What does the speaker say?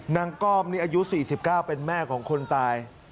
ก้อมนี่อายุ๔๙เป็นแม่ของคนตาย